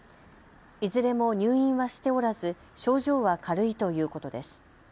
いずれも入院はしておらず症状は軽いということです。